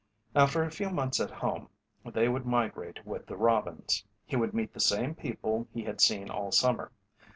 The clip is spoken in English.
After a few months at home they would migrate with the robins. He would meet the same people he had seen all summer.